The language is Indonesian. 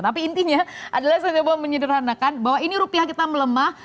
tapi intinya adalah saya coba menyederhanakan bahwa ini rupiah kita melemah